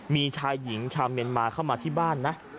มีชายหญิงชาวเมียนมาเข้ามาที่บ้านนะ